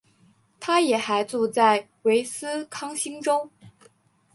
她也还住在威斯康星州。